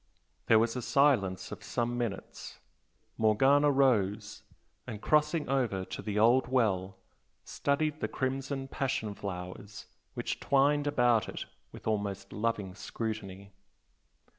There was a silence of some minutes. Morgana rose, and crossing over to the old well, studied the crimson passion flowers which twined about it, with almost loving scrutiny.